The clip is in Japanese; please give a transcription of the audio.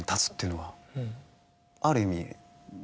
ある意味。